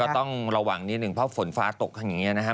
ต้องระวังนิดหนึ่งเพราะฝนฟ้าตกค่ะ